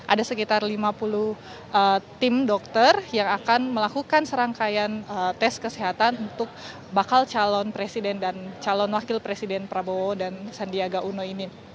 ada sekitar lima puluh tim dokter yang akan melakukan serangkaian tes kesehatan untuk bakal calon presiden dan calon wakil presiden prabowo dan sandiaga uno ini